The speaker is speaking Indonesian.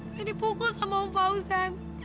dia dipukul sama mbak usen